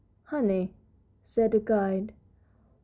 "Honey," said the guide.